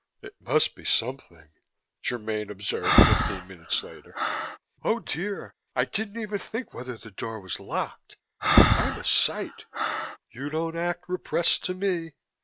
"It must be something," Germaine observed fifteen minutes later. "Oh, dear, I didn't even think whether the door was locked. I'm a sight. You don't act repressed to me."